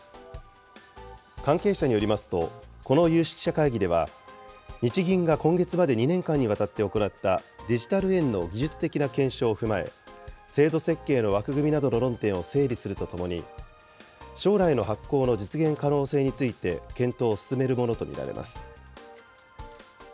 関係者によりますと、この有識者会議では、日銀が今月まで２年間にわたって行った、デジタル円の技術的な検証を踏まえ、制度設計の枠組みなどの論点を整理するとともに、将来の発行の実現可能性について検討を進めるものと見られます。